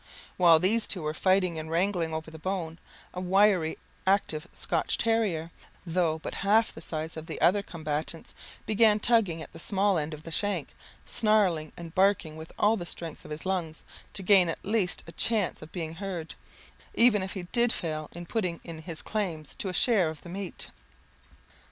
While these two were fighting and wrangling over the bone, a wiry, active Scotch terrier, though but half the size of the other combatants, began tugging at the small end of the shank, snarling and barking with all the strength of his lungs, to gain at least a chance of being heard, even if he did fail in putting in his claims to a share of the meat.